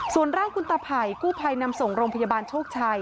ส่วนร่างคุณตาไผ่กู้ภัยนำส่งโรงพยาบาลโชคชัย